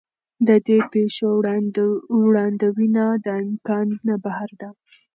د دې پېښو وړاندوینه د امکان نه بهر ده.